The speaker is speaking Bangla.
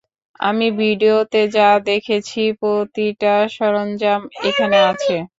আমি ভিডিওতে যা দেখেছি প্রতিটা সরঞ্জাম এখানে আছে।